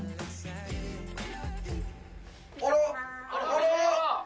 あら。